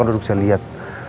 saya sudah bisa melihat